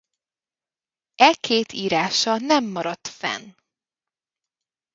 E két írása nem maradt fenn.